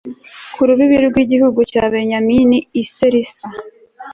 ku rubibi rw'igihugu cya benyamini i selisa